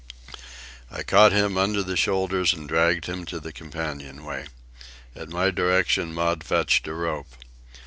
I caught him under the shoulders and dragged him to the companion way. At my direction Maud fetched a rope.